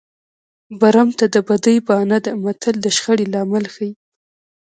برمته د بدۍ بانه ده متل د شخړې لامل ښيي